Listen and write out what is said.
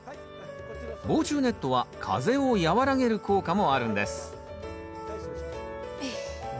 防虫ネットは風を和らげる効果もあるんですよし